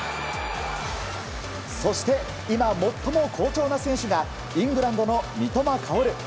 そして、今最も好調な選手がイングランドの三笘薫。